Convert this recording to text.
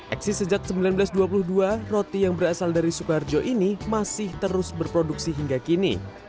eksis sejak seribu sembilan ratus dua puluh dua roti yang berasal dari soekarjo ini masih terus berproduksi hingga kini